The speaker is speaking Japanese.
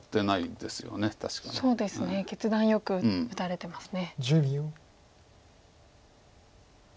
そうですね決断よく打たれてますね。